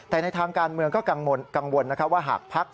แต่ในทางการเมืองก็กังวลว่าหากภักดิ์